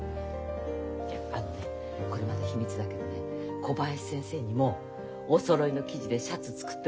あのねこれまだ秘密だけどね小林先生にもおそろいの生地でシャツ作ってもらうの。